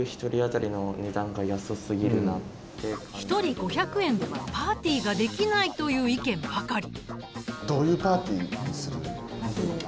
一人５００円ではパーティーができないという意見ばかり。